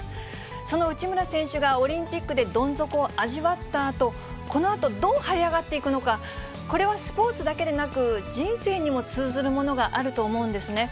その内村選手がオリンピックでどん底を味わったあと、このあとどうはい上がっていくのか、これはスポーツだけでなく、人生にも通ずるものがあると思うんですね。